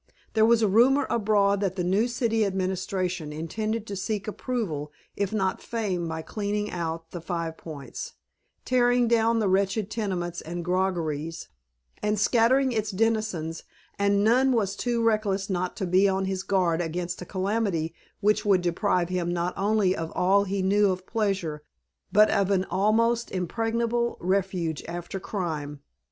There was a rumor abroad that the new City Administration intended to seek approval if not fame by cleaning out the Five Points, tearing down the wretched tenements and groggeries, and scattering its denizens; and none was too reckless not to be on his guard against a calamity which would deprive him not only of all he knew of pleasure but of an almost impregnable refuge after crime.